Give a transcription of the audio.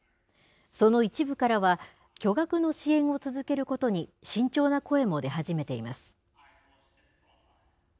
その一部からは、巨額の支援を続けることに、慎重な声も出始めています。